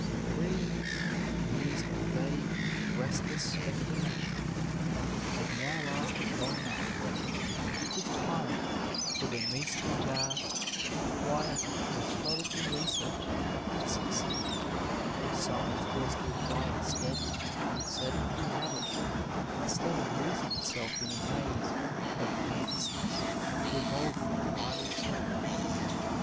These (years of vague, restless speculation) had now lasted long enough, and it was time for the Meisterjahre of quiet, methodical research to succeed if science was to acquire steady and sedentary habits instead of losing itself in a maae of phantasies, revolving in idle circles.